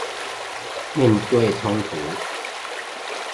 面對衝突